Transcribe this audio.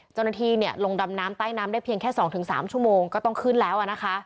เจ้าหน้าที่ลงดำน้ำใต้น้ำได้เพียงแค่๒๓ชั่วโมงก็ต้องขึ้นแล้วนะคะ